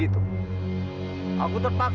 itu winsa udah akun tanpa zikir